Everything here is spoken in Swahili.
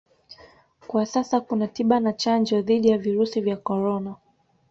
Kwa sasa kuna tiba na chanjo dhidi ya virusi vya Corona